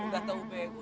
gak tau bego